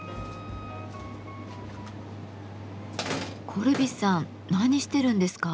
コルビさん何してるんですか？